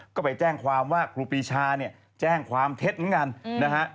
ก็ไปแจ้งความว่าครูปีชาเนี่ยแจ้งความเท็จเหมือนกันนะฮะ